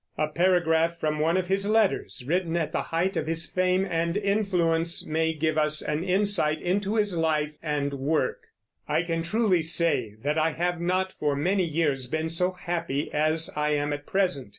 A paragraph from one of his letters, written at the height of his fame and influence, may give us an insight into his life and work: I can truly say that I have not, for many years, been so happy as I am at present....